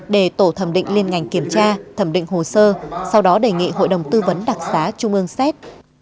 để tổ thẩm định liên ngành kiểm tra thẩm định hồ sơ sau đó đề nghị hội đồng tư vấn đặc xá trung ương xét